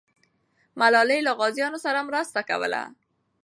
ملالۍ له غازیانو سره مرسته کوله.